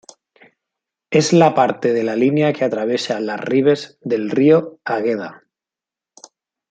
Es la parte de la línea que atraviesa las arribes del río Águeda.